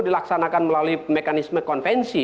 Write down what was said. dilaksanakan melalui mekanisme konvensi